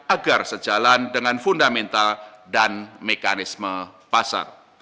agar sejalan dengan fundamental dan mekanisme pasar